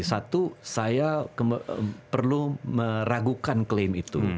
satu saya perlu meragukan klaim itu